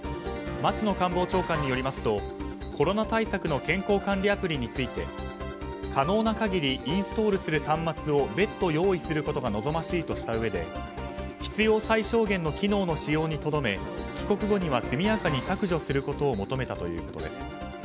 松野官房長官によりますとコロナ対策の健康管理アプリについて可能な限りインストールする端末を別途、用意することが望ましいとしたうえで必要最小限の機能の使用にとどめ帰国後には速やかに削除することを求めたということです。